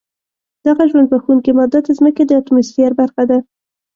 دغه ژوند بښونکې ماده د ځمکې د اتموسفیر برخه ده.